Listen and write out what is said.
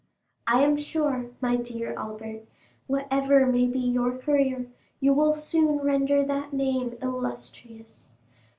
I am sure, my dear Albert, whatever may be your career, you will soon render that name illustrious.